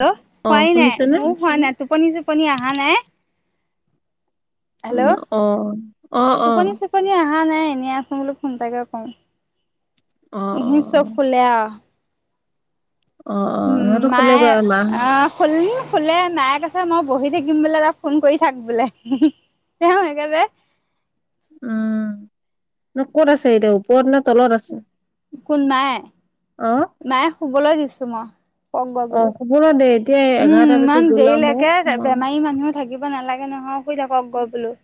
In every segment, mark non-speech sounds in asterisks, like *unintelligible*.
Hello, অ খোৱাই নাই শুনিছেনে ময়ো খোৱা নাই টোপনি চোপনি অহা নাই। উম হেল্ল' অ অ অ টোপনী চোপনী অহা না নাই এনেই আছো বুলো ফোনটাকে কৰো, অ অ অ ইহি চব শুলে আৰু। অ অ উম সিহঁতক কলে মায়ে গৈ আৰু মাহ অ', শুল শুলে মায়ে কৈছে আছে মই বহি থাকিম বোলে তই ফোন কৰি থাক বোলে। তেওঁকে *unintelligible* ব উম ন ক'ত আছে এতিয়া? ওপৰত নে তলত আছে কোন মায়ে, অ মায়ে শুবলৈ দিছো মই। কওঁক ব অ বোলো, শুবলৈ দে এতিয়া উম এঘাৰটা বাজি ইমান গ'ল আৰু মইও দেৰিলৈকে সোমাম বেমাৰী মানুহ থাকিব নালাগে। তাকে নহয় শুই থাকক গৈ বোলো।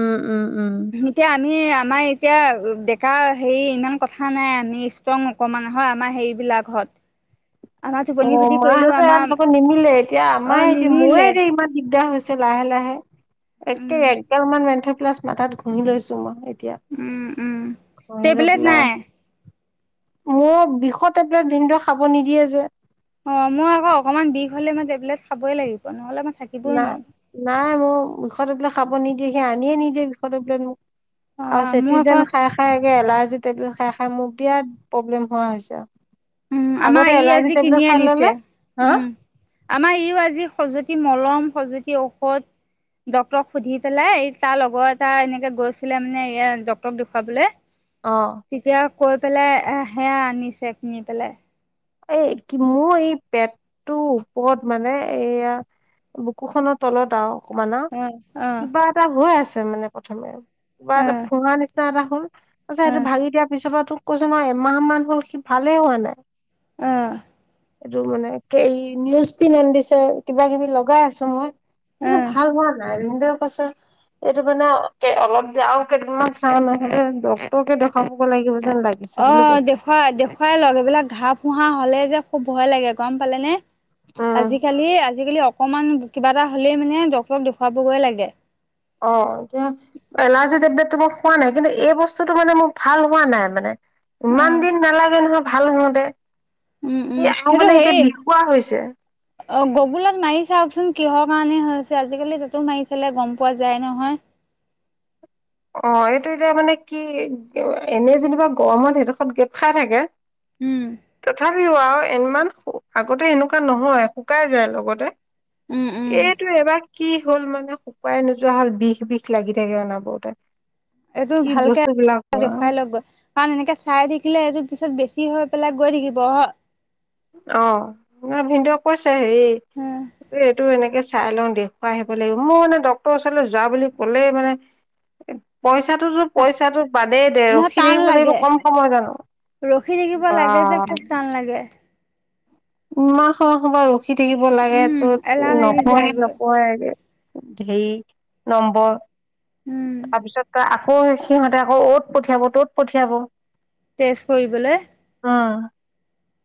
উম উম উম। এতিয়া আমি আমাৰ এতিয়া ডেকা হেৰি ইমান কথা নাই আমি ষ্ট্ৰং অকণমান হয় আমাৰ হেৰি বিলাকত *inaudible* অ', মাহঁতৰ ইয় আমাৰ লগত নিমিলে এতিয়া অ আমাই এতি ময়ে নিমিলে এতিয়া ইমান দিন হৈছে লাহে লাহে একে উম এগাৰ মান মেন্থ' প্লাছ মাথাত ঘহি লৈছো মই এতিয়া উম উম, ঘঁহি লৈ টেবলেট পেলাই নাই? মোৰ বিষৰ টেবলেট ভিন্দ'য়ে খাব নিদিয়ে যে। অ', মই আকৌ অকনমান বিষ হ'লে মই টেবলেট খাবই লাগিব, নহ'লে ম নাই নাই মোক বিষৰ টেবলেট খাব নিদিয়ে সি আনিয়ে নিদিয়ে বিষৰ টেবলেট মোক। অ আৰু মোৰ চেটি আকৌ যেন খাই খাইগে এলাৰ্জী টেবলেট খাই খাই মোৰ বিৰাট প্ৰব্লেম হোৱা হৈছে। উম আগতে আমাৰ ই এলাৰ্জি আজি টেবলেট কিনি খাই আনিছে, ললে হা উম, আমাৰ ইও আজি খজুৱতি মলম খজুৱতি ঔষধ। ডটৰক সুধি পেলাই এই তাৰ লগৰ এটা এনেকে গৈছিলে মানে ডক্টৰক দেখুৱাবলৈ অহ। তেতিয়া কৈ পেলাই, এ সেয়া আনিছে কিনি পেলাই। এ কি মোৰ এই পেটটো ওপৰত মানে এইয়া- বুকুখনৰ তলত আও অকমান আও অ অ কিবা এটা হৈ আছে মানে প্ৰথমে। কিবা অ এটা ফুঁহা নিচিনা এটা। আচ্ছা অ সেইটো ভাগি দিয়াৰ পিছৰ পৰা, তোক কৈছো এমাহ মান হল, সি ভালেই হোৱা নাই। অঁহ। এইটো মানে এই নিউজ পিন্ধ আন দিছে কিবা কিবি লগাই আছো মই অ কিন্তু ভাল হোৱা নাই মদেও কৈছে এইটো মানে অলপ আৰু কেইদিনমান চাওঁ নহ'লে ডক্টৰকে দেখাব লাগিব। যেন লাগিছে বুলি অ', কৈছে দেখুৱাই দেখুৱাই লওক এইবিলাক ঘাঁ ফুহা হ'লে যে খুব ভয় লাগে গম পালে নে। উম, আজিকালি আজিকালি অকমান কিবা এটা হ'লেই মানে ডক্টৰক দেখুৱাবগৈ লাগে। অ', এতি এলাৰ্জি টেবলেটটো মই হোৱা নাই কিন্তু এই বস্তুটো মানে মোৰ ভাল হোৱা নাই মানে। ইমান উম দিন নালাগে নহয় ভাল হওঁতে। উম। উম। সি আৰু সেইটো মানে হেই এতিয়া বিষুৱা হৈছে অ গগুলত মাৰি চাওকচোন কিহৰ কাৰণে হৈছে, আজিকালি তাতো মাৰি ছালে গম পোৱা যায় নহয়। অহ। এইটো এতিয়া মানে কি, এনেই যেনিবা গৰমত সেইডোখৰত গেপ খাই থাকে উম তথাপিও আৰু ইমান আগতে এনেকুৱা নহয়, শুকাই যায় লগতে। উম উম এইটো এবাৰ কি হ'ল মানে শুকুৱাই নোযোৱা হল। বিষ- বিষ লাগি থাকে অনাবৰতে। এইটো ভালকে দেখুৱাই লওক গৈ। কাৰণ এনেকে চাই থাকিলে এইটো পিছত বেছি কি হৈ পেলাই গৈ থাকিব। হ অ। অ' মানে ভিনদেউক কৈছে, হেৰি উম এইটো এনেকে চাই লওঁ দেখুৱাই আহিব লাগিব। মোৰ মানে ডক্টৰৰ ওচৰলৈ যোৱা বুলি ক'লে মানে পইচাটোতো পইচাটো বাদেই দে। নহয় ৰখি টান থাকিব লাগিব লাগে কম সময় জানো! ৰখি থাকিব বা লাগে যে খুব টান লাগে। ইমান সময় -সময় ৰখি থাকিব লাগে উম তোৰ এলাহ লাগি নপয়ে হে যায়গৈ নপয়েহে হেৰি। নম্বৰ। উম তাৰপিছত সিহঁতে আকৌ অ'ত পঠিয়াব। ত'ত পঠিয়াব। টেষ্ট কৰিবলৈ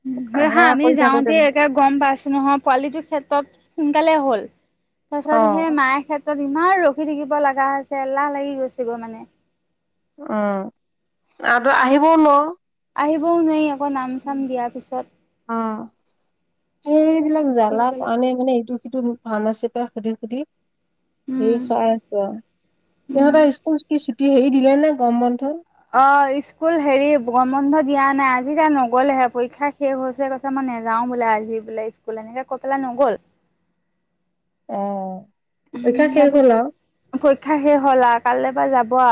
হা। সেহা সেয়া আমি কৰি থাকোতে যাওঁতে একে গম পাইছো নহয়, পোৱালিটোৰ ক্ষেত্ৰত সোনকালে হ'ল। অ তাৰপিছত সেই মাই ক্ষেত্ৰত যিমান ৰখি থাকিব লগা হৈছে। এলাহ লাগি গৈছেগৈ মানে উম। আৰু আহিবও নোৱাও আহিবও নোৱাৰি আকৌ, নাম চাম দিয়াৰ পিছত সেইটো কাৰণে সেইবিলাক ৰখি জ্বালা থাকিব লাগে কাৰণে মানে ইটো-সিটো ফাৰ্মাচীৰ পৰা সুধি -সুধি উম সেই চাই আছো। উম সিহঁতৰ স্কুল ছুটি হেৰি দিলে নে গম বন্ধ অহ। স্কুল হেৰি গম বন্ধ দিয়া নাই। আজি তাই নগলেহে, পৰীক্ষা শেষ হৈছেহে। কৈছে মানে নেযাও বোলে, আজি বোলে- স্কুল। এনেকে কৈ পেলা নগ'ল। *inaudible* অ', পৰীক্ষা শেষ তাৰ হ'ল আৰু পিছত পৰীক্ষা শেষ হল আৰু। কাললৈ পৰা যাম কোৱা।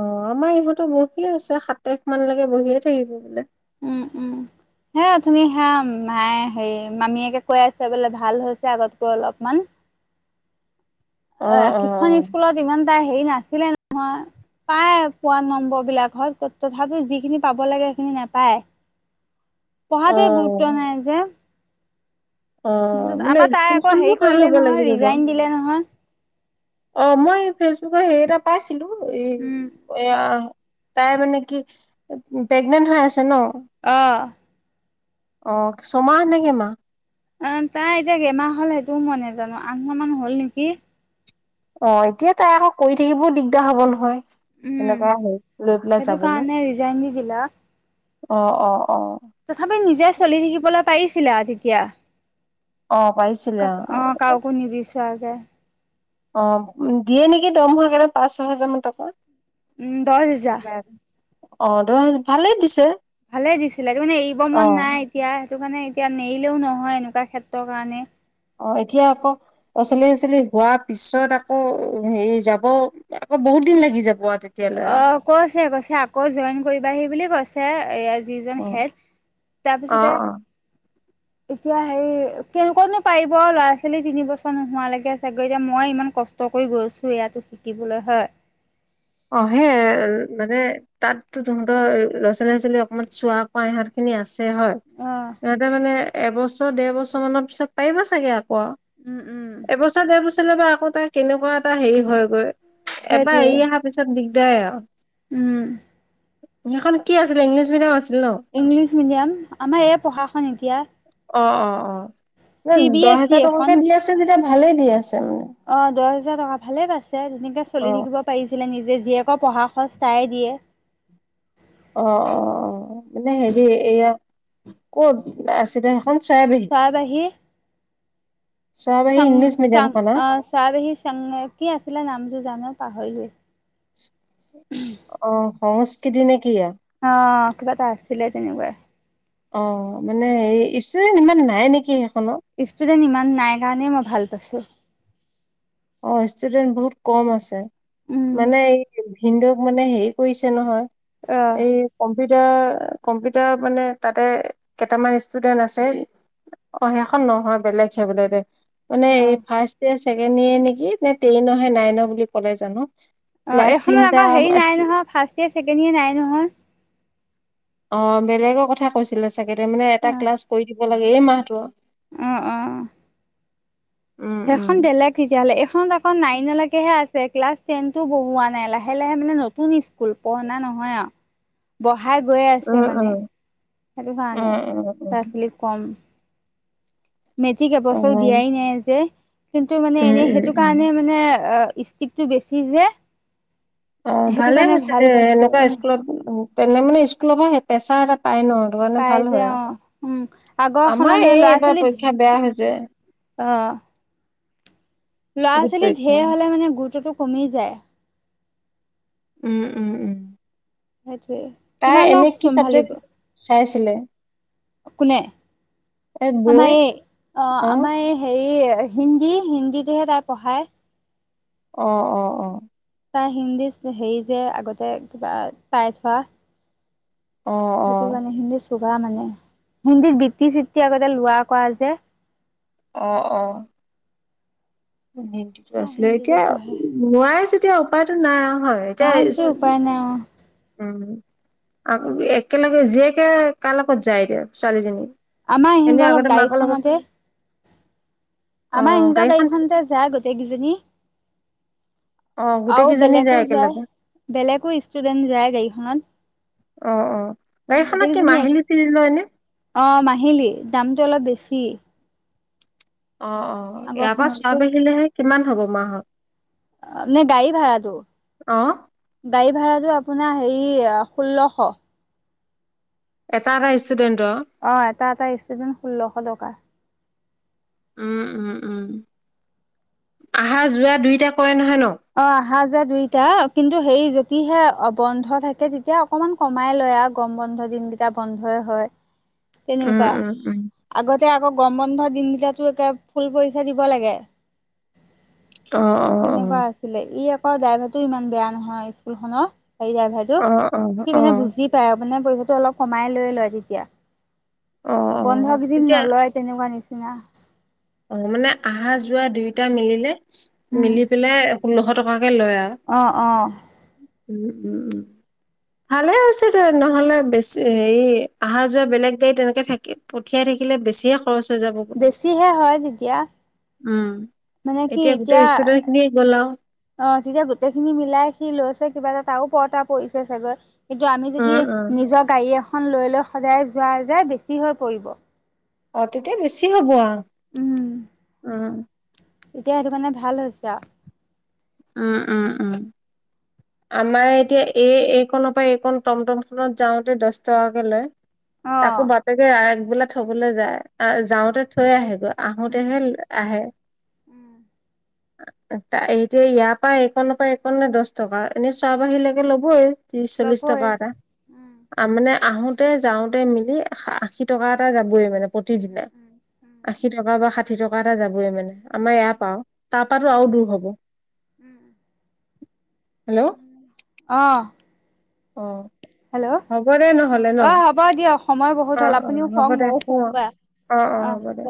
অহ। আমাৰ ইহঁতো বহিয়ে আছে। সাত তাৰিখ মানলকে বহিয়ে থাকিব বোলে। উম। উম। হে অথুনি হে মায়ে, হেৰি মামীয়েকে কৈ আছে, বোলে ভাল হৈছে আগতকৈ অলপমান। অ। সিখন স্কুলত ইমান তাই হেৰি নাছিলে নহয়। পায় পোৱা নম্বৰ বিলাকত। তথাপি যিখিনি পাব লাগে সেইখিনি নেপায়। *inaudible* পঢ়াতে গুৰুত্ব নাই যে। অ তাৰপিছত মানে আমাৰ তাই আকৌ স্কুলখনো হেৰি ভাল কৰিলে হ'ব নহয় লাগিব বাৰু ৰিজাইন দিলে নহয় অ মই ফেচবুক হেৰি এটা পাইছিলো এ উম তাই মানে কি প্ৰেগনেন্ট হৈ আছে ন অঁ অ ছমাহ নেকে মা অ তাই এতিয়া কেমাহ হল সেইটোও মই নোজানো আঠ মাহ মান হ'ল নেকি অ এতিয়া তাই আকৌ কৰি থাকিবও দিগদাৰ হব নহয় উম, সনেকুৱা হৈ লৈ পেলাই সেইটো চাবলৈ কাৰণে ৰিজাইন দি দিলা। অ অ তথাপি নিজে চলি থাকিবলৈ পাৰিছিলা আ তেতিয়া। অ পাৰিছিলে কাক। অ অ'হ। কাওকো নিবিছাৰাকে। অ' দিয়ে নেকি দৰমহা কেটা। পাঁচ -ছ হোজাৰ মান টকা। উম। দহ হোজাৰ। অ *unintelligible* ভালে দিছে। ভালে দিছিলে। ত' মানে এৰিব অ মন নাই এতিয়া। সেইটো কাৰণে এতিয়া নেৰিলেও নহয়, এনেকুৱা ক্ষেত্ৰৰ কাৰণে। অ এতিয়া আকৌ। অচলি হচলি হোৱা পিছত আকৌ হেৰি যাব আকৌ বহুত দিন লাগি যাব আৰু তেতিয়ালৈ অ আৰু কৈছে কৈছে আকৌ জইন কৰিবাহি বুলি অ কৈছে এ অ তাৰপিছ অ *inaudible* এতিয়া হেই কেনেকুৱেনো পাৰিব আৰু ল'ৰা ছোৱালী তিন বছৰ নোহোৱা লকে চাগৈ এতিয়া মই ইমান কষ্ট ৈ গৈছো ইয়াতো শিকিবলৈ হয় *inaudible* অহে মানে তাততো তহঁতৰ ল'ৰা ছোৱালী ছোৱা ছোৱালী অকমান চুৱা কৰা এহঁত খিনি আছে হয় অ'। সিহঁতে মানে এবছৰ ডেৰ বছৰ মানৰ পিছত পাৰিবা চাগে ইয়াত কোৱা উম, উম। এবছৰ দেৰ বছৰলৈ বা আকৌ তাৰ কেনেকুৱা এটা হেৰি হয় গৈ এবাৰ সেইটোৱে এৰি অহাৰ পিছত দিগদাৰ আৰু উম সেখন কি আছিল ইংলিছ মিডিয়াম আছিল ন ইংলিছ মিডিয়াম আমাৰ এই পঢ়া শন এতিয়া অ অ অ চি বি দহ এছ ই হেজাৰ এখন টকাকে দি আছে যেতিয়া ভালে দি আছে অ দহ হোজাৰ টকা ভালে পাইছে তেনেকে অ অ চলি থাকিব পাৰিছিলে নিজে জীয়েক পঢ়া খচ তাইএ দিয়ে অ অ অ মানে হেৰি এইয়া কত আছিলে সেইখন চৰাইবাহী তাৰ বাহি চৰাইবাহী ং ইংলিছ মিডিয়ামখন আৰু আহ ছাৰ সি কি আছিলে নামটোৰ জানো পাহৰিলো অ সংস্কৃতি নে কি অ কিবা এটা আছিলে তেনেকুৱাই অ মানে এই ইচতুদেন ইমান নাই নেকি সেইখনত ইষ্টোডেণ্ট ইমান নাই কাৰণেই মই ভাল পাইছো অ ষ্টুডেন্ট বহুত কম আছে উম মানে এই হিন্দু হেৰি কৰিছে নহয় অ', এ কম্পিউটাৰ মানে তাতে কেইটামান ষ্টুডেন্ট আছে অ সেইখন নহয় বেলেগহে বোলে দে মানে এই অ', ফাৰ্ষ্ট ইয়েৰ ছেকেণ্ড ইয়েৰ নেকি নে টেইনহে নাইনৰ বুলি ক'লে জানো অ ক্লাছ এইখনত তিনটা আকৌ হেৰি নাই নহয় ফাৰ্ষ্ট ইয়েৰ ছেকেণ্ড ইয়েৰ নাই নহয় অ বেলেগৰ কথা কৈছিলে চাগে দেই মানে এটা ক্লাছ কৰি দিব লাগে এই মাহটো অঁ অ উম উম সেইখন বেলেগ তেতিয়াহ'লে এইখন আকৌ নাইনলকেহে আছে ক্লাছ টেনটো বহোৱা নাই লাহে লাহে মানে নতুন স্কুল পঢ়না নহয় আৰু ভাই গৈয়ে আছে উম মানে সেইটো কাৰণে উম উম উম ল'ৰা ছোৱালী কম মেট্ৰিক উম এবছৰ দিয়াই নাই যে কিন্তু মানে উম এনে সেইটো উম উম কাৰণে মানে ষ্টিকটো বেচি যে অ সেইটো ভালে কাৰণে হৈছে ভাল দে পাইছো এনেকুৱা স্কুলত তেনে মানে স্কুলৰ পৰা আহে প্ৰেছাৰ এটা পাই ন তটো কাৰণে পাই ভাল যে হয় অ', উম আৰু আগৰখনত আমাৰ মানে এই ল'ৰা এবাৰ ছোৱালী পৰীক্ষা বেয়া হৈছে অ ল'ৰা গোট ছোৱালী পৰীক্ষা ধে হলে মানে গুৰুত্বতটো কমি যায় উম উম উম সেইটোৱে তাই কিমানক এনে কি চম্ভালিব চাবজেক্ট চাইছিলে কোনে এই বৈ আমাৰ এই অ আমাৰ এই হেৰি হিন্দী হিন্দীটোহে তাই পঢ়ায় অ অ অ তাই হিন্দীত হেৰি যে আগতে কিবা পাই থোৱা অ সেইটো কাণে হিন্দে মানে হিন্দীত বিত্তি চিত্তি আগতে লোৱা কৰা যে আহ আহ হেকিটো আছিলে হিন্দীটো এতিয়া পঢ়ে নোৱাইছো এতিয়া উপায়টো নাই আৰু হয় এতিয়া নোৱাৰে যদি উপায় নাই অ উম আকৌ একেলগে জীয়েকে কাৰ লগত যায় দে ছোৱালীজনী আমাৰ সি এনে অলপ আগতে মাকৰ লগত গাড়ীখনতে অ আমাৰ ইহঁতৰ গাড়ীখন গাড়ীখনতে যায় গোটেই কেইজনী অ গোটেই আৰু কেইজনী বেলেকো যায় একেলগে বেলেকো ষ্টুডেন্ট যায় গাড়ীখনত অ অ গাড়ীখনত কি গোটেইকেইজনী এক মাহিলী ফিজ লয় নে অ মাহিলী দামটো অলপ বেছি অ অ ইয়াৰ পৰা চোৱ আগৰখনতকৈ বাহিলেহে কিমান হব মাহত অ নে গাড়ী ভা়ড়াটো অ গাড়ী ভা়ড়াটো টো আপোনাৰ হেৰি ষোল্লশ এটা ষ্টুডেণ্ট অ এটা এটা ষ্টুডেণ্ট ষোল্লশ টকা উম উম উম আহা যোৱা দুইটা কৰে ন নহয় অ আহা দুইত কিন্তু সেই যদিহে বন্ধ থাকে তেতিয়া অকমান কমাই লয় আৰু গম বন্ধ দিনকেইটা বন্ধই হয় *unintelligible* তেনেকুৱা উম উম আগতে আকৌ গম বন্ধ তিনকটাতো একে ফুল পচা দিব লাগে অ অ অ তেনেকুৱা আছিলে ই আকৌ ড্ৰাইভাৰ টো ইমান বেয়া নহয় স্কুল খনৰ গাড়ী ড্ৰাইভাৰটো অ অ সি অ অ অ মানে বুজি পায় মানে পইচাটো অলপ কমাই লৈ লয় তেতিয়া অ বন্ধকদিন তেতিয়া নলয় তেনেকুৱা নিচিনা অ মানে আহা যোৱা দুয়োটা মিলিলে উম মিলি পেলাই ষোল্লশ টকাকে লয় আৰু অ অ উম উম উম ভালে হৈছে ত নহলে বেছি হেৰি অহা যোৱা বেলেগ গাড়ী তেনেকে থাকে পঠিয়াই থাকে থাকিলে বেছিয়ে খৰচ হৈ যাবগৈ বেছিহে হয় তেতিয়া উ মানে কি এতিয়া গোটেই ষ্টুডেন্ট খিনিয়ে গ'লা আৰু অ তেতিয়া গোটেই খিনি মিলাই সি লৈছে কিবা এটা তাৰো পৰতা পৰিছে চাগৈ কিন্তু আমি যদি উম, উম। নিজৰ গাড়ীয়ে লৈ লৈ সদায় যোৱা যায় বেছি হৈ পৰিব অ তেতিয়া বেছি হব অ উম উম। এতিয়া সেইটো মানে ভাল হৈছে আৰু। উম উম উম আমাৰ এতিয়া এই এইকনৰ পৰা এইকন টমটম খনত যাওঁতে দহ টকাকে লয়। অ তাকো বাপেকে একবেলা থবলৈ যায়, যাওঁতে থৈ আহেগৈ। আহোতেহে উম আহে। উম এতিয়া ইয়াৰ পৰা একনৰ পৰা এক নাই দচ টকা এনে চোৱ বাহী লকে ল'বই। ত্ৰিশ চল্লিশ ল'বই। টকা এটা আৰু মানে আহোতে যাওঁতে মিলি আশী টকা এটা যাবই মানে প্ৰতিদিনা আশী টকা বা ষাঠি টকা এটা যাবই মানে আমাৰ এয়া পাও তাৰপাতো আৰু দূৰ হব হেল্ল' অহ অ হ'ব দে নহলে ন অ', হ'ব দিয়ক সময় বহুত অ হ'ল অ আপুনিও হ'ব শুৱক দে ময়ো শুৱ শুওঁগৈ অ অ হ'ব দে